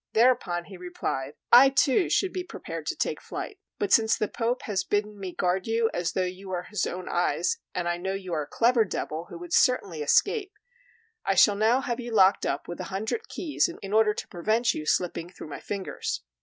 Thereupon he replied: "I too should be prepared to take flight; but since the Pope has bidden me guard you as though you were his own eyes, and I know you a clever devil who would certainly escape, I shall now have you locked up with a hundred keys in order to prevent you slipping through my fingers."